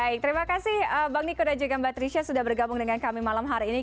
baik terima kasih bang niko dan juga mbak trisha sudah bergabung dengan kami malam hari ini